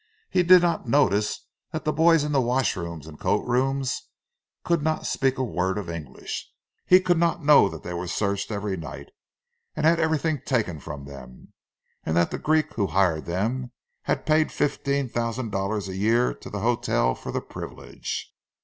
He did not notice that the boys in the wash rooms and coat rooms could not speak a word of English; he could not know that they were searched every night, and had everything taken from them, and that the Greek who hired them had paid fifteen thousand dollars a year to the hotel for the privilege.